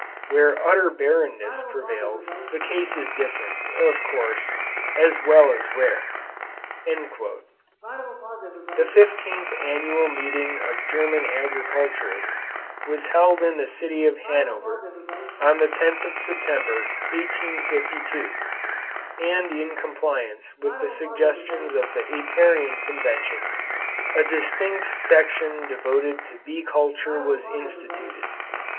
Where utter barrenness prevails, the case is different, of course, as well as rare." The Fifteenth Annual Meeting of German Agriculturists was held in the City of Hanover, on the 10th of September, 1852, and in compliance with the suggestions of the Apiarian Convention, a distinct section devoted to bee culture was instituted.